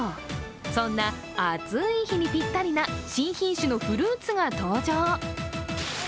そんな暑い日にぴったりな新品種のフルーツが登場。